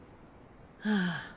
ああ。